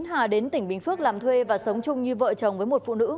hà đến tỉnh bình phước làm thuê và sống chung như vợ chồng với một phụ nữ